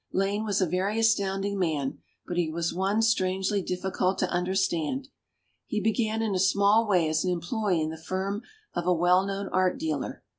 Lane was a very astounding man, but he was one strangely difiicult to understand. He began in a small way as an employee in the firm of a well known art dealer.